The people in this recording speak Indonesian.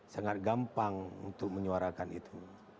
sangat gampang untuk menyuarakan itu